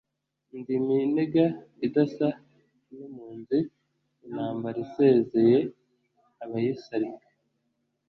Ndi Minega idasa n'impunzi, intambara isezeye abayisalika,